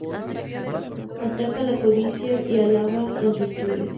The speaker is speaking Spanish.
Ataca la codicia y alaba las virtudes.